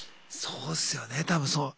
そうですよね多分そう。